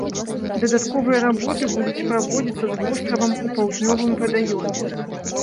Дадатковыя работы будуць праводзіцца з востравам у паўднёвым вадаёме.